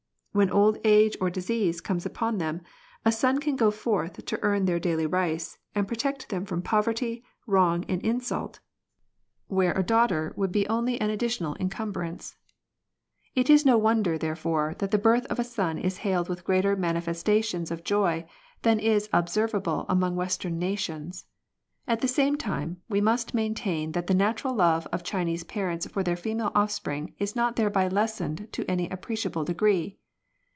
When old age or disease comes upon them, a son can go forth to earn their daily rice, and protect them from poverty, wrong, and insult, where a daughter would be only an additional FEMALE CHILDREN, 159 encumbrance. It is no wonder therefore that the birth of a son is hailed with greater manifestations of joy than is observable among western nations ; at the same time, we must maintain that the natural love of Chinese parents for their female offspring is not thereby lessened to any appreciable degree.